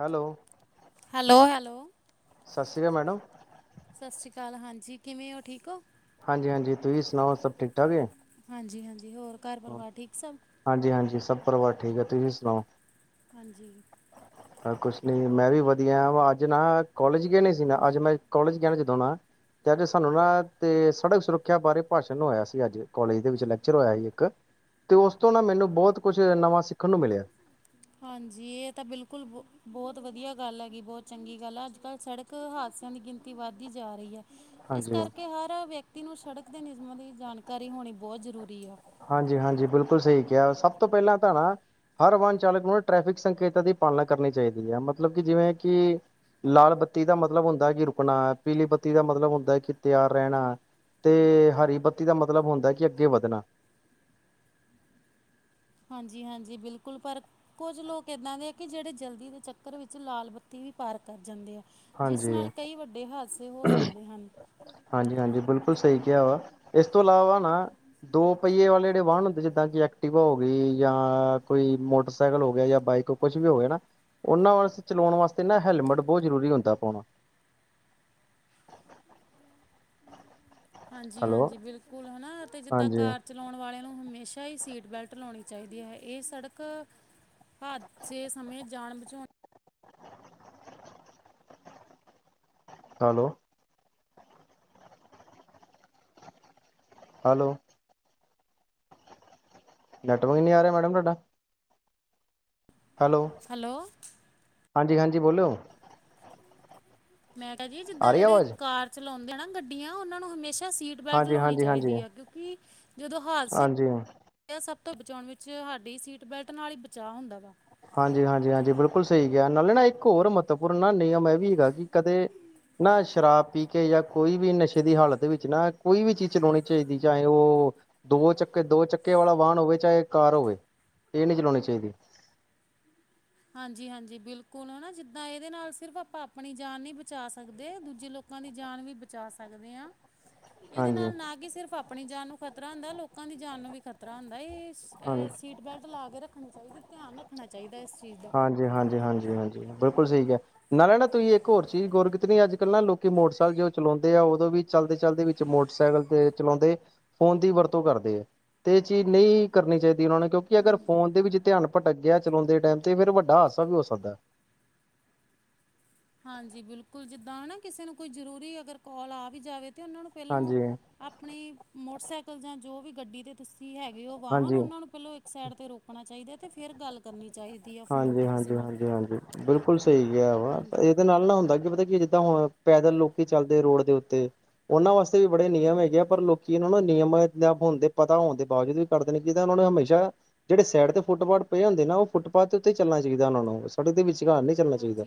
Hello hello- hello ਸਸ ਈ ਅਕਾਲ ਮੈਡਮ। ਸਤਿ ਸ਼੍ਰੀ ਕਾਲ ਹਾਂਜੀ, ਕਿਵੇਂ ਹੋ ਠੀਕ ਹੋ? ਹਾਂਜੀ- ਹਾਂਜੀ ਤੁਸੀਂ ਸੁਣਾਓ ਸਭ ਠੀਕ- ਠਾਕ ਐ? ਹਾਂਜੀ- ਹਾਂਜੀ ਹੋਰ ਘਰ ਪਰਿਵਾਰ ਠੀਕ ਸਭ? ਹਾਂਜੀ- ਹਾਂਜੀ ਸਭ ਪਰਿਵਾਰ ਠੀਕ ਐ ਤੁਸੀਂ ਸੁਣਾਓ? ਹਾਂਜੀ। ਕੁਛ ਨੀ ਮੈਂ ਵੀ ਵਧੀਆ ਆ, ਅੱਜ ਨਾ ਕੋਲੇਜ ਗਿਆ ਨਹੀਂ ਸੀ ਨਾ, ਅੱਜ ਮੈਂ ਕੋਲੇਜ ਗਿਆ ਜਦੋਂ ਨਾ- ਤੇ ਅੱਜ ਸਾਨੂੰ ਨਾ ਤੇ ਸੜਕ ਸੁਰੱਖਿਆ ਬਾਰੇ ਭਾਸ਼ਣ ਹੋਇਆ ਸੀ ਅੱਜ ਕੋਾਲਜ ਦੇ ਵਿੱਚ ਲੈਕਚਰ ਹੋਇਆ ਸੀ। ਇਕ ਤੇ ਉਸ ਤੋਂ ਨਾ ਮੈਨੂੰ ਬਹੋਤ ਕੁਛ ਨਵਾਂ ਸਿੱਖਣ ਨੂੰ ਮਿਲਿਆ। ਹਾਂਜੀ ਇਹ ਤਾਂ ਬਿਲਕੁਲ ਬ ਬੋਤ ਵਧੀਆ ਗੱਲ ਹੈਗੀ, ਬੋਤ ਚੰਗੀ ਗੱਲ ਆ ਅੱਜ ਕੱਲ ਸੜਕ, ਇੱਕ ਹਾਦਸਿਆਂ ਦੀ ਗਿਣਤੀ ਵੱਧਦੀ ਜਾ ਰਹੀ ਆ। ਇਸ ਹਾਂਜੀ ਕਰਕੇ ਹਰ ਵਿਅਕਤੀ ਨੂੰ ਸੜਕ ਦੇ ਨਿਯਮਾਂ ਦੀ ਜਾਣਕਾਰੀ ਹੋਣੀ ਬੋਤ ਜ਼ਰੂਰੀ ਆ। ਹਾਂਜੀ- ਹਾਂਜੀ ਬਿਲਕੁਲ ਸਹੀ ਕਿਹਾ, ਸਭ ਤੋਂ ਪਹਿਲਾਂ ਤਾਂ ਨਾ। ਹਰ ਵਾਹਨ ਚਾਲਕ ਨੂੰ ਟ੍ਰੈਫਿਕ ਸੰਕੇਤਾਂ ਦੀ ਪਾਲਣਾ ਕਰਨੀ ਚਾਹੀਦੀ ਏ ਮਤਲਬ ਕਿ ਜਿਵੇਂ ਕਿ- ਲਾਲ ਬੱਤੀ ਦਾ ਮਤਲਬ ਹੁੰਦਾ ਏ ਕਿ ਰੁਕਣਾ, ਪੀਲੀ ਬੱਤੀ ਦਾ ਮਤਲਬ ਹੁੰਦਾ ਕਿ ਤਿਆਰ ਰਹਿਣਾ, ਤੇ ਹਰੀ ਬੱਤੀ ਦਾ ਮਤਲਬ ਹੁੰਦਾ ਕਿ ਅੱਗੇ ਵਧਣਾ। ਹਾਂਜੀ- ਹਾਂਜੀ ਬਿਲਕੁਲ ਪਰ ਕੁੱਝ ਲੋਕ ਇੱਦਾਂ ਦੇ ਆ ਕਿ ਜਿਹੜੇ ਜਲਦੀ ਦੇ ਚੱਕਰ ਵਿੱਚ ਲਾਲ ਬੱਤੀ ਵੀ- ਪਾਰ ਕਰ ਜਾਂਦੇ ਆ। ਜਿਸ ਹਾਂਜੀ। ਨਾਲ ਕਈ ਵੱਡੇ ਹਾਦਸੇ ਹੋ ਸਕਦੇ ਹਨ। ਹਾਂਜੀ- ਹਾਂਜੀ ਬਿਲਕੁਲ ਸਹੀ ਕਿਹਾ ਵਾ, ਇਸ ਤੋਂ ਇਲਾਵਾ ਨਾ- ਦੋ ਪਹੀਏ ਵਾਲੇ ਜਿਹੜੇ ਵਾਹਨ ਹੁੰਦੇ ਜਿੱਦਾਂ ਕਿ ਐਕਟੀਵਾ ਹੋ ਗਈ, ਜਾਂ ਕੋਈ ਮੋਟਰਸਾਈਕਲ ਹੋ ਗਿਆ, ਜਾਂ ਬਾਈਕ, ਕੁਛ ਵੀ ਹੋ ਗਿਆ ਨਾ, ਉਹਨਾਂ ਵਾਸ ਚਲਾਉਣ ਵਾਸਤੇ ਨਾ ਹੈਲਮਟ ਬਹੋਤ ਜ਼ਰੂਰੀ ਹੁੰਦਾ ਪਾਉਣਾ। ਹਾਂਜੀ- ਹੈਲੋ ਹਾਂਜੀ ਬਿਲਕੁਲ ਹਨਾ ਤੇ ਜਿੱਦਾਂ ਹਾਂਜੀ ਕਾਰ- ਚਲਾਉਣ ਵਾਲਿਆਂ ਨੂੰ ਹਮੇਸ਼ਾ ਈ ਸੀਟ ਬੈਲਟ ਲਾਉਣੀ ਚਾਹੀਦੀ ਐ, ਇਹ ਸੜਕ- ਹਾਦਸੇ ਸਮੇਂ ਜਾਨ ਬਚਾਉਣ, ਹੈਲੋ, ਹੈਲੋ- ਨੈਟਰਕ ਨੀ ਆ ਰਿਹਾ ਮੈਡਮ ਤੁਹਾਡਾ? ਹੈਲੋ, ਹੈਲੋ, ਹਾਂਜੀ- ਹਾਂਜੀ ਬੋਲੋ। ਮੈਂ ਕਿਹਾ ਜੀ ਆ ਜਿੱਦਾਂ ਰਹੀ ਜਿਹੜੇ ਆਵਾਜ਼ ਕਾਰ ਚਲਾਉਂਦੇ ਆ ਨਾ ਗੱਡੀਆਂ ਉਹਨਾਂ ਨੂੰ ਹਮੇਸ਼ਾ ਸੀਟ ਬੈਲਟ ਹਾਂਜੀ ਲਾਉਣੀ ਹਾਂਜੀ ਹਾਂਜੀ ਚਾਈਦੀ ਹੈ ਅੱਗੇ ਹੂੰ ਜਦੋਂ ਹਾਦਸੇ ਹਾਂਜੀ ਹੁੰਦੇ ਸਭ ਤੋਂ ਬਚਾਣ ਵਿੱਚ ਸਾਡੀ ਸੀਟ ਬੈਲਟ ਨਾਲ ਈ ਬਚਾਅ ਹੁੰਦਾ ਵਾ। ਹਾਂਜੀ ਹਾਂਜੀ ਹਾਂਜੀ ਬਿਲਕੁਲ ਸਹੀ ਕਿਆ ਨਾਲੇ ਨਾ ਇੱਕ ਹੋਰ ਮ ਮਹੱਵਪੂਰਨ ਨਾ ਨਿਯਮ ਇਹ ਵੀ ਹੈਗਾ ਕਿ ਕਦੇ, ਨਾ ਸ਼ਰਾਬ ਪੀ ਕੇ ਜਾਂ ਕੋਈ ਵੀ ਨਸ਼ੇ ਦੀ ਹਾਲਤ ਵਿੱਚ ਨਾ ਕੋਈ ਵੀ ਚੀਜ਼ ਚਲਾਉਣੀ ਚਾਈਦੀ ਚਾਹੇ ਉਹ ਦੋ ਚੱਕੇ, ਦੋ ਚੱਕੇ ਵਾਲਾ ਵਾਹਨ ਹੋਵੇ ਚਾਹੇ ਕਾਰ ਹੋਵੇ। ਇਹ ਨੀ ਚਲਾਣੀ ਚਾਈਦੀ। ਹਾਂਜੀ ਹਾਂਜੀ ਬਿਲਕੁਲ ਹਨ ਨਾ ਜਿੱਦਾਂ ਇਹਦੇ ਨਾਲ ਸਿਰਫ ਆਪਾਂ ਆਪਣੀ ਜਾਨ ਨੀ ਬਚਾ ਸਕਦੇ ਦੂਜੇ ਲੋਕ ਲੋਕਾ ਦੀ ਜਾਨ ਵੀ ਬਚਾ ਸਕਦੇ ਆਂ। ਇਹਦੇ ਹਾਂਜੀ ਨਾਲ ਨਾ ਕਿ ਸਿਰਫ਼ ਆਪਣੀ ਜਾਨ ਨੂੰ ਖ਼ਤਰਾ ਹੁੰਦਾ। ਲੋਕਾਂ ਦੀ ਜਾਨ ਨੂੰ ਵੀ ਖ਼ਤਰਾ ਹੁੰਦਾ। ਏਸ ਹਾਂ ਏ ਸੀਟ ਬੈਲਟ ਲਾ ਕੇ ਰੱਖਨੀ ਚਾਈਦੀ ਧਿਆਨ ਰੱਖਨਾ ਚਾਹੀਦਾ ਏਸ। ਹਾਂਜੀ ਹਾਂਜੀ, ਹਾਂਜੀ ਹਾਂਜੀ ਬਿਲਕੁਲ ਸਹੀ ਕਿਹਾ। ਨਾਲੇ ਨਾ ਤੁਸੀਂ ਇੱਕ ਹੋਰ ਚੀਜ਼ ਗੋਰ ਨੀ ਕੀਤੀ। ਅੱਜ- ਕੱਲ ਨਾ ਲੋਕੀ ਮੋਟਰਸਾਈਕਲ ਜੋ ਚਲਾਉਂਦੇ ਆ ਔਦੋਂ ਵੀ ਚਲਦੇ-ਚਲਦੇ ਵਿੱਚ ਮੋਟਰਸਾਈਕਲ ਤੇ ਚਲਾਉਂਦੇ ਫੋਨ ਦੀ ਵਰਤੋਂ ਕਰਦੇ ਐ। ਏਹ ਚੀਜ਼ ਨਹੀਂ ਕਰਨੀ ਚਾਈਦੀ ਉਨਾਂ ਨੇ ਕਿਉ ਕਿ ਅਗਰ ਹਾਂਜੀ ਫੋਨ ਦੇ ਵਿੱਚ ਧਿਆਨ ਭਟਕ ਗਿਆ ਚਲਾਉਂਦੇ ਟਾਈਮ ਤੇ ਫੇਰ ਵੱਡਾ ਹਾਦਸਾ ਵੀ ਹੋ ਸਕਦੈ। ਹਾਂਜੀ, ਬਿਲਕੁਲ ਜਿੱਦਾਂ ਨਾ ਕਿਸੇ ਨੂੰ ਕੋਈ ਜ਼ਰੂਰੀ ਅਗਰ ਕੋਲ ਆ ਵੀ ਜਾਵੇ। ਤਾਂ ਉਹਨਾਂ ਨੂੰ ਪਹਿਲੋ ਹਾਂਜੀ, ਆਪਣੇ ਮੋਟਰਸਾਈਕਲ ਜਾਂ ਜੋ ਵੀ ਗੱਡੀ ਤੇ ਤੁਸੀਂ ਹੈਗੇ ਔ ਵਾਹਨ ਹਾਂਜੀ। ਉਹਨਾਂ ਨੂੰ ਪਹਿਲੋਂ ਸਾਈਡ ਤੇ ਰੋਕਣਾ ਚਾਈਦਾ ਤੇ ਫੇਰ ਗੱਲ ਕਰਨੀ ਚਾਈਦੀ। ਹਾਂਜੀ ਹਾਂਜੀ, ਹਾਂਜੀ ਹਾਂਜੀ ਬਿਲਕੁਲ ਸਹੀ ਕਿਆ ਵਾ ਹਾਂਜੀ ਇਹਦੇ ਨਾਲ ਨਾ ਹੁੰਦਾ ਕੀ ਪਤਾ ਕੀ ਜਿਦਾ ਹੁਣ ਪੈਦਲ ਲੋਕੀ ਚੱਲਦੇ ਰੋਡ ਦੇ ਉੱਤੇ ਉਹਨਾਂ ਵਾਸਤੇ ਵੀ ਬੜੇ ਨਿਯਮ ਹਾਂਜੀ ਹੈਗੇ ਪਰ ਲੋਕੀ ਏਹਨਾਂ ਨਿਯਮਾਂ ਯਮਾ ਹੋਨ ਦੇ ਪਤਾ ਹੋਨ ਦੇ ਬਾਜੂਦ ਵੀ ਕਰਦੇ ਨੇ ਕਿਸੇ ਨੂੰ ਨੇ ਹਮੇਸ਼ਾ ਜਿਹੜੇ ਸਾਈਡ ਤੇ ਫੁੱਟਪਾਥ ਪਏ ਹੁੰਦੇ ਨਾ ਉਹ ਫੁੱਟਪਾਥ ਦੇ ਉੱਤੇ ਚਲਨਾ ਚਾਈਦਾ। ਉਹਨਾਂ ਨੂੰ ਸੜਕ ਦੇ ਵਿਚਕਾਰ ਨਹੀਂ ਚੱਲਨਾ ਚਾਈਦਾ।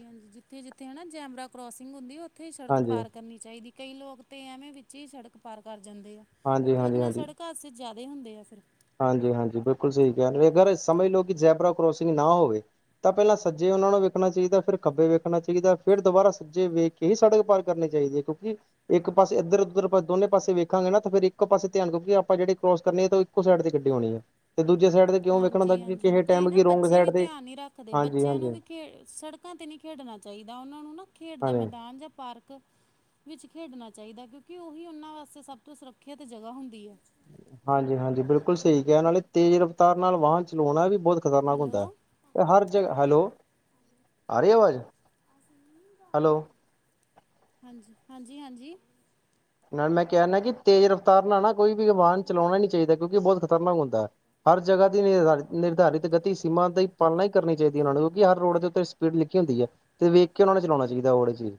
ਕਿ ਜਿੱਥੇ ਹੈ ਨਾ ਜੈਮਰਾ ਕਰੋਸਿੰਗ ਹੁੰਦੀ ਔਥੇ ਸੜਕ ਹਾਂਜੀ ਪਾਰ ਕਰਨੀ ਚਾਈਦੀ। ਕਈ ਲੋਕ ਤਾਂ ਐਵੇਂ ਵਿੱਚ ਈ ਸੜਕ ਪਾਰ ਕਰ ਜਾਂਦੇ ਆ। ਹਾਂਜੀ ਤੇ ਉਹਦੇ ਹਾਂਜੀ ਨਾਲ ਸੜਕ ਹਾਦਸੇ ਜਿਆਦੇ ਹੁੰਦੇ ਆ ਫੇਰ ਹਾਂਜੀ, ਹਾਂਜੀ ਬਿਲਕੁਲ ਸਹੀ ਕਹਿਆ। ਅਗਰ ਸਮਝ ਲਓ ਕਿ ਜੈਬਰਾ ਕਰੋਸਿੰਗ ਨਾ ਹੋਵੇ ਤਾਂ ਪਹਿਲਾਂ ਸੱਜੇ ਉਹਨਾਂ ਨੂੰ ਵੇਖਨਾ ਚਾਈਦਾ। ਫੇਰ ਖੱਬੇ ਵੇਖਨਾ ਚਾਈਦਾ। ਫੇਰ ਦੁਬਾਰਾ ਸੱਜੇ ਵੇਖ ਫੇਹ ਸੜਕ ਪਾਰ ਕਰਨੀ ਚਾਈਦੀ ਐ। ਕਿਉਂਕਿ ਇੱਕ ਪਾਸੇ ਇੱਧਰ-ਉੱਧਰ, ਦੋਵੇਂ ਪਾਸਿਆਂ ਤੋਂ ਵੇਖਾਗੇ ਨਾ, ਫਿਰ ਇੱਕ ਪਾਸੇ ਧਿਆਨ ਰੱਖਣਾ, ਕਿਉਂਕਿ ਅਸੀਂ ਕਰੋਸ ਕਰਨਾ ਤੇ ਓ ਇੱਕ ਸਾਈਡ ਦੀ ਗੱਡੀ ਹੋਣੀ ਐ, ਤੇ ਦੂਜੇ ਸਾਈਡ ਦੇ ਹਾਂਜੀ, ਹਾਂਜੀ ਕਈ ਨਾ ਬੱਚੇ ਵੀ ਤੇ ਧਿਆਨ ਨਈ ਰੱਖਦੇ। ਬੱਚਿਆਂ ਨੂੰ ਹਾਂਜੀ-ਹਾਂਜੀ ਵੀ ਖੇ ਸੜਕ ਸੜਕਾ ਤੇ ਨਈ ਖੇਡਣਾ ਚਾਈਦਾ ਉਹਨਾਂ ਨੂੰ ਨਾ ਖੇਡ ਦਾ ਹਾਂਜੀ ਮੈਦਾਨ ਜਾਂ ਪਾਰਕ ਵਿੱਚ ਖੇਡਨਾ ਚਾਈਦਾ। ਕਿਉਂਕਿ ਉਹੀ ਉਹਨਾਂ ਵਾਸਤੇ ਸਭ ਤੋਂ ਸੁਰੱਖਿਅਤ ਜਗ੍ਹਾ ਹੁੰਦੀ ਐ। ਹਾਂਜੀ, ਹਾਂਜੀ ਬਿਲਕੁਲ ਸਹੀ ਕਿਹਾ। ਨਾਲੇ ਤੇਜ਼ ਰਫਤਾਰ ਨਾਲ ਵਾਹਨ ਚਲਾਉਣਾ ਵੀ ਬੋਤ ਖ਼ਤਰਨਾਕ ਹੁੰਦਾ। ਹੈਲੋ ਤੇ ਹਰ ਜਗਾ, ਹੈਲੋ ਆ ਰਹੀ ਆਵਾਜ਼? ਹੈਲੋ। ਹਾਂਜੀ, ਹਾਂਜੀ ਹਾਂਜੀ। ਨਾਲ ਮੈਂ ਕਿਹਾ ਨ ਕਿ ਤੇਜ਼ ਰਫਤਾਰ ਨਾਲ ਨਾ ਕੋਈ ਵੀ ਵਾਹਨ ਚਲਾਉਣਾ ਨੀ ਚਾਈਦਾ ਕਿਉਂਕਿ ਬੋਤ ਖ਼ਤਰਨਾਕ ਹੁੰਦਾ ਐ। ਹਰ ਜਗ੍ਹਾ ਦੀ ਨਿਰਧਾ-ਨਿਰਧਾਰਿਤ ਗਤੀ ਸੀਮਾ ਦੀ ਪਾਲਨਾ ਈ ਕਰਨੀ ਚਾਈਦੀ। ਉਹਨਾਂ ਨੂੰ ਕਿਉਂਕਿ ਹਰ ਰੋਡ ਦੇ ਉੱਤੇ ਸਪੀਡ ਲਿੱਖੀ ਹੁੰਦੀ ਐ ਤੇ ਵੇਖ ਕੇ ਉਹਨਾ ਨੇ ਚਲਾਨਾ ਚਾਈਦਾ ਉਹ ਚੀਜ਼।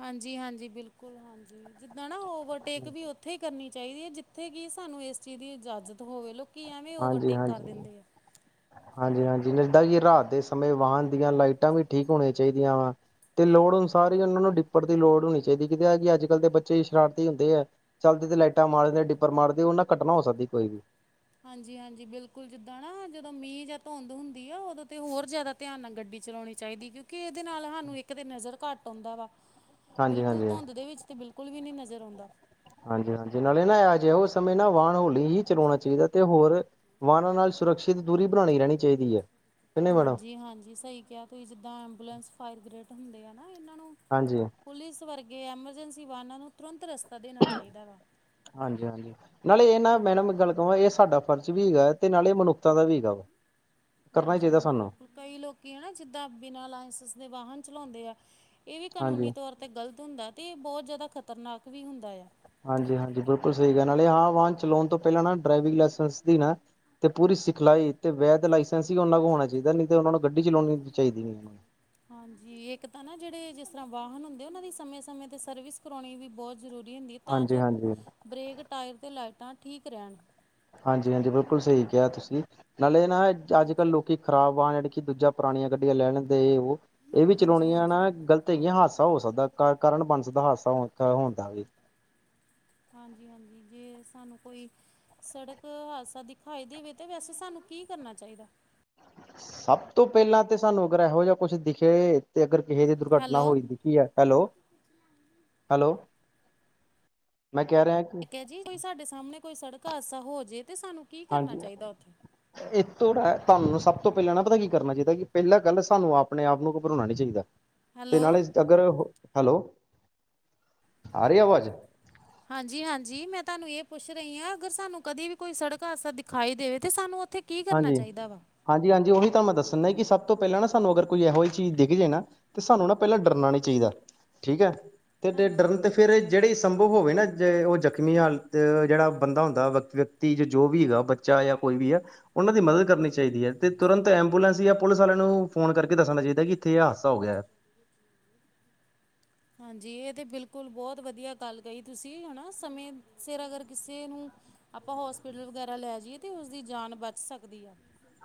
ਹਾਂਜੀ, ਹਾਂਜੀ ਬਿਲਕੁਲ ਹਾ ਜੀ ਜਿੱਦਾ ਨਾ ਓਵਰਟੇਕ ਵੀ ਉੱਥੇ ਹੀ ਕਰਨੀ ਚਾਈਦੀ ਐ। ਜਿੱਥੇ ਕੀ ਸਾਨੂੰ ਇਸ ਚੀਜ਼ ਦੀ ਇਜਾਜ਼ਤ ਹੋਵੇ। ਲੋਕੀ ਐਵੇਂ ਹਾਂਜੀ ਓਵਰਟੇਕ ਕਰ ਹਾਂਜੀ। ਦਿੰਦੇ ਆ। ਹਾਂਜੀ, ਹਾਂਜੀ ਜਿੱਦਾ ਕੀ ਰਾਤ ਦੇ ਸਮੇਂ ਵਾਹਨ ਦੀਆਂ ਲਾਈਟਾਂ ਵੀ ਠੀਕ ਹੋਣੀਆਂ ਚਾਈਦੀਆਂ [unintelligible] ਤੇ ਲੋੜ ਅਨੁਸਾਰ ਹੀ ਉਹਨਾਂ ਨੂੰ ਡਿੱਪੜ ਦੀ ਲੋੜ ਹੋਣੀ ਚਾਹੀਦੀ ਕਿ ਐਹ ਕਿ ਅੱਜ-ਕਲ ਦੇ ਬੱਚੇ ਸ਼ਰਾਰਤੀ ਹੁੰਦੇ ਐ। ਚਲਦੇ ਤੇ ਲਾਈਟਾਂ ਮਾਰਦੇ ਡਿੱਪਰ ਮਾਰਦੇ ਔਨਾਂ ਘਟਨਾ ਹੋ ਸਕਦੀ ਕੋਈ ਵੀ। ਹਾਂਜੀ-ਹਾਂਜੀ। ਬਿਲਕੁਲ ਜਿੱਦਾਂ ਨਾ ਜਦੋਂ ਮੀਂਹ ਜਾਂ ਧੁੰਦ ਹੁੰਦੀ ਆ ਉਦੋਂ ਤੇ ਹੋਰ ਜੈ਼ਦਾ ਧਿਆਨ ਨਾਲ ਗੱਡੀ ਚਲਾਉਨੀ ਚਾਹੀਦੀ, ਕਿਉਂਕਿ ਏਹਦੇ ਨਾਲ ਸਾਨੂੰ ਇੱਕ ਤੇ ਨਜ਼ਰ ਘੱਟ ਆਉਂਦਾ ਵਾ। ਹਾਂਜੀ ਬਿਲਕੁਲ ਹਾਂਜੀ। ਧੁੰਦ ਦੇ ਵਿੱਚ ਤੇ ਬਿਲਕੁਲ ਵੀ ਨੀ ਨਜ਼ਰ ਆਉਂਦਾ। ਹਾਂਜੀ-ਹਾਂਜੀ। ਨਾਲੇ ਨਾ ਅ ਐਜੋਹੇ ਸਮੇਂ ਨਾ ਵਾਹਨ ਹੋਲੀ ਹੀ ਚਲਾਉਨਾ ਚਾਹੀਦਾ ਤੇ ਹੋਰ ਵਾਹਨਾਂ ਨਾਲ ਸੁਰੱਕਿਸਤ ਦੂਰੀ ਬਣਾਉਣੀ ਰਹਿਣੀ ਚਾਹੀਦੀ ਐ। ਹਾਂਜੀ-ਹਾਂਜੀ। ਸਹੀ ਕਿਹਾ ਤੁਸੀਂ ਜਿੱਦਾਂ ਐਬੂਲੈਂਸ, ਫਾਇਰ- ਬੀਗੇ੍ਡ ਹੁੰਦੇ ਆ ਨਾ ਏਹਨਾਂ ਨੂੰ ਹਾਂਜੀ-ਹਾਂਜੀ। ਪੁਲਿਸ ਵਰਗੇ ਐਮਰਜੈਂਸੀ ਵਾਹਨਾਂ ਨੂੰ ਤੁਰੰਤ ਰਸਤਾ ਦੇਨਾ ਚਾਹੀਦਾ ਵਾ। ਹਾਂਜੀ-ਹਾਂਜੀ। ਨਾਲੇ ਇਹ ਨਾ ਮੈਡਮ ਇੱਕ ਗੱਲ ਕਵਾਂ ਇਹ ਸਾਡਾ ਫਰਜ਼ ਵੀ ਹੈਗਾ ਤੇ ਨਾਲੇ ਇਹ ਮਨੁੱਖਤਾ ਦਾ ਵੀ ਹੈਗਾ ਵਾ। ਕਰਨਾ ਹੀ ਚਾਹੀਦਾ ਹਾਂਜੀ-ਹਾਂਜੀ। ਸਾਨੂੰ ਬਿਲਕੁਲ ਕਈ ਲੋਕੀ ਹੈ ਨਾ ਜਿੱਦਾਂ ਬਿਨਾਂ ਲਾਇਸੈਂਸ ਦੇ ਵਾਹਨ ਚਲਾਉਂਦੇ ਐ ਇਹ ਵੀ ਕਾਨੂੰਨੀ ਹਾਂਜੀ। ਤੌਰ 'ਤੇ ਗਲਤ ਹੁੰਦਾ ਤੇ ਇਹ ਬਹੁਤ ਜ਼ਿਆਦਾ ਖ਼ਤਰਨਾਕ ਵੀ ਹੁੰਦਾ ਆ। ਹਾਂਜੀ -ਹਾਂਜੀ, ਬਿਲਕੁਲ ਸਹੀ ਐ। ਨਾਲੇ ਹਾਂ ਵਾਹਨ ਚਲਾਉਣ ਤੋਂ ਪਹਿਲਾਂ ਨਾ ਡਰਾਈਵਿੰਗ ਲਾਇਸੈਂਸ ਦੀ ਨਾ ਤੇ ਪੂਰੀ ਸਿਖਲਾਈ ਤੇ ਵੈਦ ਲਾਇਸੈਂਸ ਵੀ ਉਹਨਾਂ ਕੋਲ ਹੋਣਾ ਚਾਹੀਦਾ। ਨਹੀਂ ਤੇ ਉਹਨਾਂ ਨੂੰ ਗੱਡੀ ਚਲਾਉਣੀ ਨੀ ਚਾਹੀਦੀ ਨੀ। ਹਾਂਜੀ, ਇੱਕ ਤਾਂ ਨਾ ਜਿਹੜੇ ਜਿਸ ਤਰ੍ਹਾਂ ਵਾਹਨ ਹੁੰਦੇ, ਉਹਨਾਂ ਦੀ ਸਮੇਂ-ਸਮੇਂ ਤੇ ਸਰਵਿਸ ਕਰਵਾਉਣੀ ਵੀ ਬਹੁਤ ਜ਼ਰੂਰੀ ਹੁੰਦੀ ਤਾਂ ਜੋ ਹਾਂਜੀ-ਹਾਂਜੀ। ਬਰੇਕ, ਟਾਇਰ ਤੇ ਲਾਈਟਾਂ ਠੀਕ ਰਹਿਣ। ਹਾਂਜੀ- ਹਾਂਜੀ। ਬਿਲਕੁਲ ਸਹੀ ਕਿਹਾ ਤੁਸੀਂ। ਨਾਲੇ ਨਾ ਅੱਜ-ਕਲ ਲੋਕੀ ਖਰਾਬ ਵਾਹਨ ਕਿ ਦੂਜਾ, ਪੁਰਾਣੀਆਂ ਗੱਡੀਆਂ ਲੈ ਲੈਂਦੇ ਔਹ। ਇਹ ਵੀ ਹਾਂਜੀ ਹਾਂਜੀ ਚਲਾਉਣੀਆਂ ਨਾ ਗ਼ਲਤ ਹੈਗੀਆ, ਹਾਦਸਾ ਹੋ ਸਕਦੈ। ਕਕ-ਕਾਰਨ ਬਣ ਸਕਦੇ, ਹਾਦਸਾ ਹਸ ਹੋਣ ਦਾ ਵੀ ਹਾਂਜੀ-ਹਾਂਜੀ। ਜੇ ਸਾਨੂੰ ਕੋਈ ਸੜਕ ਹਾਦਸਾ ਦਿਖਾਈ ਦੇਵੇ ਤੇ ਵੈਸੇ ਸਾਨੂੰ ਕੀ ਕਰਨਾ ਚਾਹੀਦੈ? ਸਭ ਤੋਂ ਪਹਿਲਾਂ ਤੇ ਸਾਨੂੰ ਅਗਰ ਐਹੋ ਜਿਹਾ ਕੁਛ ਦਿਖੇ ਤੇ ਅਗਰ ਕਿਸੇ ਦੀ ਦੁਰਘਟਨਾ ਹੈਲੋ ਹੋਈਦੀ ਕੀ ਐ? Hello, hello! ਮੈਂ ਕਹਿ ਰਿਆ ਏ ਜੀ। ਕੋਈ ਸਾਡੇ ਸਾਹਮਣੇ ਕੋਈ ਸੜਕ ਹਾਦਸਾ ਹੋ ਜਏ ਤੇ ਸਾਨੂੰ ਕੀ ਕਰਨਾ ਹਾਂਜੀ-ਹਾਂ। ਚਾਹੀਦਾ ਉੱਥੇ ਇਹ ਤੋੜਾ ਤੁਹਾਨੂੰ ਸਭ ਤੋਂ ਪਹਿਲਾਂ, ਨਾ ਪਤਾ ਕੀ ਕਰਨਾ ਚਾਹੀਦਾ? ਕਿ ਪਹਿਲਾਂ ਗੱਲ ਸਾਨੂੰ ਆਪਣੇ ਆਪ ਨੂੰ ਘਬਰਾਉਣਾ ਨੀ ਚਾਹੀਦਾ। ਤੇ ਹੈਲੋ ਨਾਲੇ, ਅਗਰ ਹੈਲੋ। ਆ ਰੀ ਐ ਆਵਾਜ਼? ਹਾਂਜੀ-ਹਾਂਜੀ। ਮੈਂ ਤੁਹਾਨੂੰ ਇਹ ਪੁੱਛ ਰਹੀ ਆ ਅਗਰ ਸਾਨੂੰ ਕਦੇ ਵੀ ਕੋਈ ਸੜਕ ਹਾਦਸਾ ਦਿਖਾਈ ਦੇਵੇ ਤੇ ਸਾਨੂੰ ਉੱਥੇ ਕੀ ਕਰਨਾ ਚਾਹੀਦਾ ਵਾ ਹਾਂਜੀ-ਹਾਂਜੀ-ਹਾਂਜੀ। ਉਹੀ ਤਾਂ ਮੈਂ ਦੱਸਨਾ ਕਿ ਸਭ ਤੋਂ ਪਹਿਲਾਂ ਨਾ ਸਾਨੂੰ ਅਗਰ ਕੋਈ ਐਹੋ ਜਿਹੀ ਚੀਜ਼ ਦਿਖ ਜੇ ਨਾ ਤੇ ਸਾਨੂੰ ਨਾ ਪਹਿਲਾਂ ਡਰਨਾ ਨੀ ਚਾਹੀਦਾ। ਠੀਕ ਐ ਤੇ ਹਾਂਜੀ ਡਰਨ ਤੇ ਫਿਰ ਇਹ ਜਿਹੜੀ ਸੰਭਵ ਹੋਵੇ ਨਾ, ਜੇ ਉਹ ਜ਼ਖ਼ਮੀ ਹਾਲਤ ਜਿਹੜਾ ਬੰਦਾ ਹੁੰਦਾ ਵ ਧੀ, ਜੋ ਵੀ ਹੈਗਾ। ਬੱਚਾ ਜਾਂ ਕੋਈ ਵੀ ਐ। ਉਨ੍ਹਾਂ ਦੀ ਮਦਦ ਕਰਨੀ ਚਾਹੀਦੀ ਐ ਤੇ ਤੁਰੰਤ ਐਂਬੂਲੈਂਸ ਜਾਂ ਪੁਲਿਸ ਵਾਲੇ ਨੂੰ ਫੋਨ ਕਰਕੇ ਦੱਸਣਾ ਚਹੀਦੈ, ਕਿ ਇੱਥੇ ਏ ਹਾਦਸਾ ਹੋ ਗਿਆ ਐ। ਹਾਂਜੀ। ਇਹ ਤੇ ਬਿਲਕੁਲ ਬਹੁਤ ਵਦੀਆ ਗੱਲ ਕਹੀ ਤੁਸੀਂ‌ ਹਨਾ। ਸਮੇ ਸਿਰ ਅਗਰ ਕਿਸੇ ਨੂੰ ਆਪਾਂ ਹੋਸਪਿਟਲ ਵਗੈਰਾ ਲੈ ਜਈਏ‌ ਤੇ ਉਸਦੀ ਜਾਨ ਬਚ ਸਕਦੀ ਆ।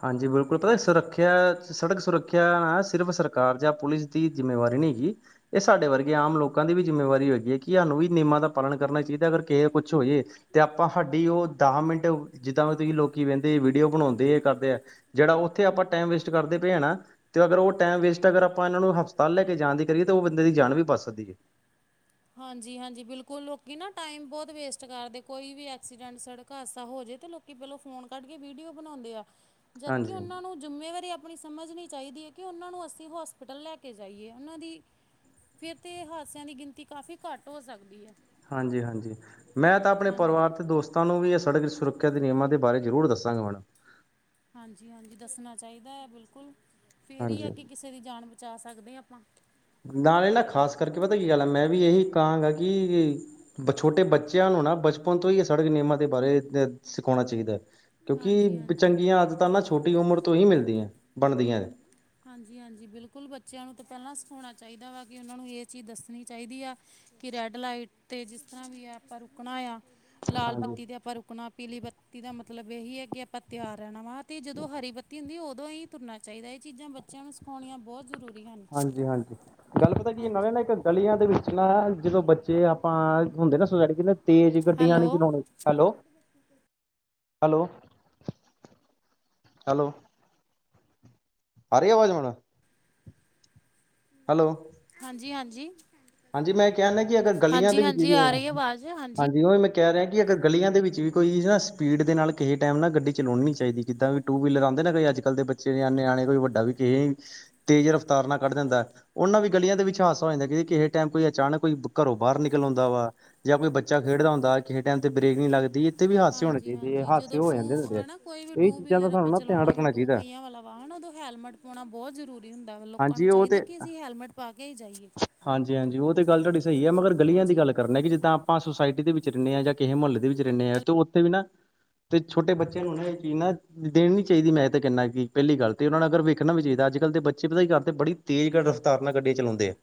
ਹਾਂਜੀ। ਬਿਲਕੁਲ ਪਤਾ ਸੁਰੱਖਿਆ, ਸੜਕ ਸੁਰੱਖਿਆ ਨਾ ਸਿਰਫ ਸਰਕਾਰ ਜਾਂ ਪੁਲਿਸ ਦੀ ਜਿੰਮੇਵਾਰੀ ਨਹੀਂ ਹੈਗੀ। ਇਹ ਸਾਡੇ ਵਰਗੇ ਆਮ ਲੋਕਾਂ ਦੀ ਵੀ ਜਿੰਮੇਵਾਰੀ ਹੈਗੀ ਐਂ ਕਿ ਸਾਨੂੰ ਵੀ ਨਿਯਮਾਂ ਦਾ ਪ੍ਰਣ ਕਰਨਾ ਚਾਹੀਦੈ। ਅਗਰ ਕਿਸੇ ਨੂੰ ਕੁਛ ਹੋ ਜਏ, ਤੇ ਆਪਾਂ ਹਾਡੀ ਉਹ ਦਾਹ ਮਿੰਟ ਜਿੱਦਾਂ ਵੀ ਤੁਸੀਂ ਲੋਕੀ ਵਹਿੰਦੇ ਵੀਡੀਓ ਬਣਾਉਂਦੇ ਕ ਜਿਹੜਾ ਉੱਥੇ ਆਪਾਂ ਟਾਈਮ ਵੇਸਟ ਕਰਦੇ ਪਏ ਆ ਨਾ ਤੇ ਅਗਰ ਉਹ ਟਾਈਮ ਵੇਸਟ ਅਗਰ ਆਪਾਂ ਇਹਨਾਂ ਨੂੰ ਹਸਪਤਾਲ ਲੈ ਕੇ ਜਾਣ ਦੀ ਕਰੀਏ, ਤਾਂ ਉਹ ਬੰਦੇ ਦੀ ਜਾਨ ਵੀ ਬਚ ਸਕਦੀ ਏ। ਹਾਂਜੀ, ਹਾਂਜੀ, ਬਿਲਕੁਲ ਲੋਕੀ ਨਾ ਟਾਈਮ ਬਹੁਤ ਵੇਸਟ ਕਰਦੇ, ਕੋਈ ਵੀ ਐਕਸੀਡੈਂਟ, ਸੜਕ ਹਾਦਸਾ ਹੋ ਜੇ ਤਾਂ ਲੋਕ ਕਿ ਪਹਿਲੋਂ ਫੋਨ ਕੱਢ ਕੇ ਵੀਡੀਓ ਬਣਾਉਂਦੇ ਆ, ਜਦਕਿ ਹਾਂਜੀ, ਉਹਨਾਂ ਨੂੰ ਜਿੰਮੇਵਾਰੀ ਆਪਣੀ ਸਮਝਨੀ ਚਾਹੀਦੀ ਏ, ਕਿ ਉਹਨਾਂ ਨੂੰ ਅਸੀਂ ਹੋਸਪਿਟਲ ਲੈ ਕੇ ਜਾਈਏ ਉਹਨਾਂ ਦੀ ਫੇਰ ਤੇ ਹਾਦਸਿਆਂ ਦੀ ਗਿਣਤੀ ਕਾਫ਼ੀ ਘੱਟ ਹੋ ਸਕਦੀ ਏ। ਹਾਂਜੀ, ਹਾਂਜੀ। ਮੈਂ ਤਾਂ ਆਪਣੇ ਪਰਿਵਾਰ ਤੇ ਦੋਸਤ ਤੁਹਾਨੂੰ ਵੀ ਇਹ ਸੜਕ ਸੁਰੱਖਿਆ ਦੇ ਨਿਯਮਾਂ ਦੇ ਬਾਰੇ ਜ਼ਰੂਰ ਦੱਸਾਂਗਾ ਮੈਡਮ। ਹਾਂਜੀ -ਹਾਂਜੀ, ਦੱਸਣਾ ਚਾਹੀਦੈ ਬਿਲਕੁਲ, ਫੇਰ ਹੀ ਹਾਂਜੀ। ਅਗੇ ਕਿਸੇ ਦੀ ਜਾਨ ਬਚਾ ਸਕਦੇ ਹਾਂ ਆਪਾਂ। ਨਾਲੇ ਨਾ ਖਾਸ ਕਰਕੇ ਪਤਾ ਕੀ ਗੱਲ ਆ? ਮੈਂ ਵੀ ਇਹੀ ਕਹਾਂਗਾ ਕਿ ਬਈ ਛੋਟੇ ਬੱਚਿਆਂ ਨੂੰ ਨਾ ਬਚਪਨ ਤੋਂ ਹੀ ਸੜਕ ਨਿਯਮਾਂ ਦੇ ਬਾਰੇ ਦ ਸਿਖਾਉਣਾ ਚਾਹੀਦੇ। ਹਾਂਜੀ ਕਿਉਂਕਿ ਹਾਂਜੀ ਚੰਗੀਆਂ ਆਦਤਾ ਨਾ ਛੋਟੀ ਉਮਰ ਤੋਂ ਹੀ ਮਿਲਦੀਐ, ਬਣਦੀਐ ਐ। ਹਾਂਜੀ, ਹਾਂਜੀ ਬਿਲਕੁਲ ਬੱਚਿਆਂ ਨੂੰ ਤਾਂ ਪਹਿਲਾਂ ਸਿਖਾਉਣਾ ਚਾਹੀਦਾ ਵਾ, ਕਿ ਇਨ੍ਹਾਂ ਨੂੰ ਇਹ ਚੀਜ਼ ਦੱਸਣੀ ਚਾਹੀਦੀ ਆ। ਕਿ ਰੈਡ ਲਾਈਟ ਤੇ ਜਿਸ ਤਰ੍ਹਾਂ ਵੀ ਆ ਆਪਾਂ ਰੁਕਣਾ ਆ। ਲਾਲ ਹਾਂਜੀ, ਬੱਤੀ ਦੇ ਆਪਾਂ ਰੁਕਣਾ, ਪੀਲੀ ਬੱਤੀ ਦਾ ਮਤਲਬ ਇਹੀ ਹੈ ਕਿ ਆਪਾਂ ਤਿਆਰ ਰਹਿਣਾ ਵਾ। ਤੇ ਜਦੋਂ ਹਰੀ ਬੱਤੀ ਹੁੰਦੀ ਏ ਉਦੋਂ ਹੀ ਤੁਰਨਾ ਚਾਹੀਦਾ, ਇਹ ਚੀਜ਼ਾਂ ਬੱਚਿਆਂ ਨੂੰ ਸਿਖਾਉਣੀਆਂ ਬਹੁਤ ਜ਼ਰੂਰੀ। ਹਨ ਹਾਂਜੀ, ਹਾਂਜੀ ਗੱਲ ਪਤਾ ਕੀ ਹੈ? ਨਾਲੇ ਹਾਂਜੀ ਨਾ ਇੱਕ ਗਲੀਆਂ ਦੇ ਵਿੱਚ ਨਾ ਜਦੋਂ ਬੱਚੇ ਜੇ ਆਪਾਂ ਹੁੰਦੇ ਨਾ ਸੋਸਾਇਟੀ ਚ, ਕਹਿੰਦੇ ਤੇਜ਼ ਗੱਡੀਆਂ ਹੈਲੋ ਨੀ ਚਲਾਉਣੀ। Hello, hello, hello. ਆ ਰਹੀ ਅਵਾਜ਼ ਹੁਣ। ਹੈਲੋ। ਹਾਂਜੀ, ਹਾਂਜੀ। ਹਾਂਜੀ ਮੈਂ ਕਹਿੰਦਾ ਕਿ ਅਗਰ ਗਲੀਆਂ ਹਾਂਜੀ ਦੇ ਵਿੱਚ ਹਾਂਜੀ ਵੀ ਆ ਰਹੀ ਆਵਾਜ਼ ਹਾਂਜੀ ਓਵੀ ਮੈ ਕਹਿ ਰਿਹੇ ਕਿ ਅਗਰ ਗਲੀਆਂ ਦੇ ਵਿੱਚ ਵੀ ਕੋਈ ਨਾ ਸਪੀਡ ਦੇ ਨਾਲ ਕਿਸੇ ਟਾਈਮ ਨਾ ਗੱਡੀ ਚਲਾਉਣੀ ਨੀ ਚਾਹੀਦੀ, ਜੀਦਾ ਵੀ ਟੂ ਵੀਲਰ ਔਉਂਦੇ ਨਾ ਕੋਈ ਅਕੱਲ ਦੇ ਬੱਚੇ ਨਿਆਣੇ ਕੋਈ ਵੱਡਾ ਵੀਚ ਏਹ ਤੇਜ਼ ਰਫਤਾਰ ਨਾਲ ਕੱਢ ਦਿੰਦਾ ਹੈ, ਉਹਨਾਂ ਵੀ ਗਲੀਆਂ ਦੇ ਵਿੱਚ ਹਾਦਸਾਹੋ ਜਾਂਦਾ। ਕਦੀ ਕਿਸੇ ਇਸ ਟੈਮ ਕੋਈ ਅਚਾਨਕ ਕੋਈ ਘਰੋਂ ਬਾਹਰ ਨਿਕਲ ਔੰਦਾ ਵਾ। ਜਾਂ ਕੋਈ ਬੱਚਾ ਖੇਡਦਾ ਹੁੰਦਾ, ਕੀਹੇ ਟੈਮ ਤੇ ਬ੍ਰੇਕ ਨਹੀਂ ਲੱਗਦੀ। ਵੀ ਹਾਦਸੇ ਹੋਣੇ ਹਾਂਜੀ, ਚਾਹੀਦੇ ਹੈ ਹਾਂਜੀ ਹਾਦਸੇ ਜਦੋਂ ਹੋ ਟੂ ਜਾਂਦੇ ਹੁੰਦੇ ਆ ਹਨਾ ਕੋਈ ਵੀ ਇਹ ਟੂ ਚੀਜ਼ਾਂ ਦਾ ਵੀਲਰ ਸਾਨੂੰ ਆਪਾਂ ਨਾ ਧਿਆਨ ਚਲਾਉਣਾ ਵਾ, ਰੱਖਣਾ ਟੂ ਚਾਹੀਦਾ ਪਹੀਆਂ ਵਾਲਾ ਪਾਉ ਨਾ ਉਦੋਂ ਹੈਲਮਟ ਪਾਉਣਾ ਬਹੁਤ ਜ਼ਰੂਰੀ ਹੁੰਦਾ, ਲੋਕਾਂ ਨੂੰ ਹਾਂਜੀ ਉਹ ਚਾਹੀਦਾ ਤੇ ਕਿ ਅਸੀਂ ਹੈਲਮਟ ਪਾ ਕੇ ਹੀ ਜਾਈਏ। ਹਾਂਜੀ, ਹਾਂਜੀ ਉਹ ਤਾਂ ਗੱਲ ਤੁਹਾਡੀ ਸਹੀ ਹੈ, ਮਗਰ ਹਨਾ ਗਲੀਆਂ ਦੀ ਜੀ ਗੱਲ ਕਰਨ ਕਿ ਜਿੱਦਾਂ ਆਪਾਂ ਸੁਸਾਇਟੀ ਦੇ ਵਿੱਚ ਰਹਿੰਦੇ ਹਾਂ, ਜਾਂ ਕਿਸੇ ਮੁਹੱਲੋ ਦੇ ਵਿੱਚ ਰਹਿੰਦੇ ਹਾਂ ਹੈਲ ਤੇ ਉੱਥੇ ਵੀ ਨਾ ਤੇ ਛੋਟੇ ਬੱਚਿਆਂ ਨੂੰ ਨੇ ਕਿ ਨਾ ਦੇਣੀ ਨੀ ਚਾਹੀਦੀ ਮੈਂ ਤਾਂ ਕਹਿੰਦਾ ਕਿ ਪਹਿਲੀ ਗੱਲ ਤੇ ਉਹਨਾਂ ਨੂੰ ਅਗਰ ਵੇਖਣਾ ਵੀ ਚਾਹੀਦਾ ਅੱਜ- ਕੱਲ੍ਹ ਦੇ ਬੱਚੇ ਪਤਾ ਕਿ ਕਰ ਦੇ ਬੜੀ ਤੇਜ਼ਗੜ ਰਫ਼ਤਾਰ ਨਾਲ ਗੱਡੀਆਂ ਚਲਾਉਂਦੇ ਆ।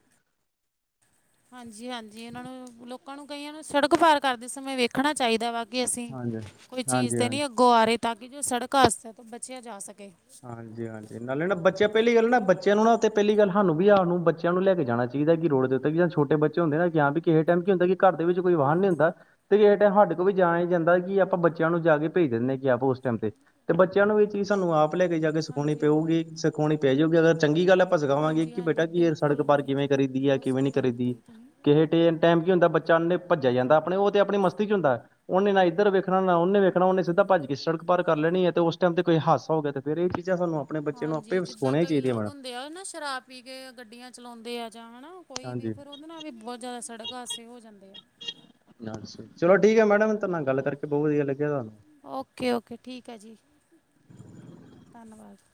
ਹਾਂਜੀ, ਹਾਂਜੀ ਇਹਨਾਂ ਨੂੰ ਲੋਕਾਂ ਨੂੰ ਕਈਆਂ ਨੂੰ ਸੜਕ ਪਾਰ ਕਰਦੇ ਸਮੇਂ ਵੇਖਣਾ ਚਾਹੀਦਾ ਵਾ ਕਿ ਅਸੀਂ ਹਾਂਜੀ, ਕੋਈ ਚੀਜ਼ ਹਾਂਜੀ, ਤੇ ਹਾਂਜੀ। ਨਹੀਂ ਅੱਗੋਂ ਆ ਰਹੇ, ਤਾਂ ਕਿ ਜੋ ਸੜਕ ਹਾਦਸਾ ਤੋ ਬਚਿਆ ਜਾ ਸਕੇ। ਹਾਂਜੀ, ਹਾਂਜੀ। ਨਾਲ ਨਾ ਬੱਚਿਆਂ ਪਹਿਲੀ ਗੱਲ ਨਾ ਬੱਚਿਆਂ ਨੂੰ ਨਾ ਪਹਿਲੀ ਗੱਲ ਸਾਨੂੰ ਵੀ ਆਪਹ ਨੂੰ ਬੱਚਿਆਂ ਨੂੰ ਲੈ ਕੇ ਜਾਣਾ ਚਾਹੀਦਾ, ਕਿ ਰੋਡ ਦੇ ਉੱਤੇ ਜਾਂ ਛੋਟੇ ਬੱਚੇ ਬੱਚੇ ਹੁੰਦੇ ਨੇ ਜਾ ਤੇ ਵੀ ਕਿਸੇ ਟਾਈਮ ਕੀ ਹੁੰਦਾ ਕਿ ਘਰ ਦੇ ਵਿੱਚ ਕੋਈ ਵਾਹਨ ਨੀ ਹੁੰਦਾ ਤੇ ਇਹ ਟਾਈਮ ਸਾਡੇ ਕੋਲ ਵੀ ਜਾਣਾ ਹੀ ਜਾਂਦਾ, ਕਿ ਆਪਾਂ ਬੱਚਿਆਂ ਨੂੰ ਜਾ ਕੇ ਭੇਜ ਦਿੰਦੇ ਹਾ ਕਿ ਆਪ ਉਸ ਟਾਈਮ ਤੇ ਤੇ ਬੱਚਿਆਂ ਨੂੰ ਇਹ ਚੀਜ਼ ਸਾਨੂੰ ਆਪ ਲੈ ਕੇ ਜਾ ਕੇ ਸਿਖਾਉਣੀ ਹਾਂਜੀ-ਹਾਂਜੀ, ਪਊਗੀ ਸਿਖਾਉਣੀ ਪੈ ਜਾਊਗੀ, ਅਗਰ ਚੰਗੀ ਗੱਲ ਹੈ ਆਪ ਸਿਖਾਵਾਂਗੇ ਕਿ ਹਾਂਜੀ-ਹਾਂਜੀ ਬੇਟਾ ਕੀ ਇਹ ਸੜਕ ਬਿਲਕੁਲ ਪਾਰ ਬਲ ਕਿਵੇਂ ਕਰੀਦੀ ਹੈ, ਬਹੁਤ ਕਿਵੇਂ ਨਹੀਂ ਸਹੀ ਗੱਲ ਕਰੀਦੀ ਕਹੀ ਤੁਸੀਂ ਕਿਸੇ ਟਾਈਮ ਕੀ ਹੁੰਦਾ ਬੱਚਾ ਭੱਜਿਆ ਜਾਂਦਾ, ਆਪਣੇ ਉਹ ਤੇ ਆਪਣੀ ਮਸਤੀ ਚ ਹੁੰਦਾ ਉਹਨੇ ਨਾ ਇੱਧਰ ਵੇਖਣਾ ਨਾ ਉਹਨੇ ਵੇਖਣਾ ਤੇ ਉਹਨੇ ਸਿਧਾ ਭੱਜ ਕੇ ਸੜਕ ਪਾਰ ਕਰ ਲੈਣੀ ਹੈ, ਤੇ ਉਸ ਟਾਈਮ ਤੇ ਕੋਈ ਹਾਦਸਾ ਹੋ ਗਿਆ ਤੇ ਫੇਰ ਇਹ ਚੀਜ਼ਾਂ ਸਾਨੂੰ ਆਪਣੇ ਬੱਚੇ ਨੂੰ ਹਾਂਜੀ ਆਪੇ ਜਿੱਦਾਂ ਸਿਖਾਉਣੀਆਂ ਕਈ ਚਾਹੀਦੀਆਂ ਲੋਕ ਮੈਡਮ ਹੁੰਦੇ ਆ ਨਾ ਸ਼ਰਾਬ ਪੀ ਕੇ ਗੱਡੀਆਂ ਚਲਾਉਂਦੇ ਆ ਜਾਂ ਹਨਾ ਕੋਈ ਵੀ, ਹਾਂਜੀ ਫੇਰ ਓ ਔਦੋ ਨਾਲ ਵੀ ਬਹੁਤ ਜ਼ਿਆਦਾ ਸੜਕ ਹਾਦਸੇ ਹੋ ਜਾਂਦੇ ਆ। ਚਲੋ ਠੀਕ ਹੈ ਮੈਡਮ ਤੁਹਾਡੇ ਨਾਲ ਗੱਲ ਕਰਕੇ ਬਹੁਤ ਵਧੀਆ ਲੱਗਿਆ ਤੁਹਾਨੂੰ ਓਕੇ ਓਕੇ ਠੀਕ ਹੈ ਜੀ ਧੰਨਵਾਦ।